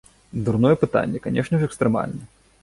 Дурное пытанне, канешне ж экстрэмальна!